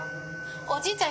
おじいちゃん